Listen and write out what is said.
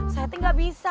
saya teh gak bisa